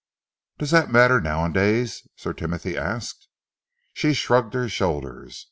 "Does that matter, nowadays?" Sir Timothy asked. She shrugged her shoulders.